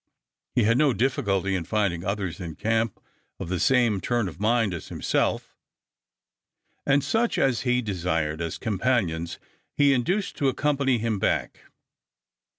He had no difficulty in finding others in camp of the same turn of mind as himself, and such as he desired as companions he induced to accompany him back.